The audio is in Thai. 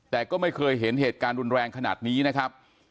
แต่ก็ไม่เคยเห็นเหตุการณ์รุนแรงขนาดนี้นะครับ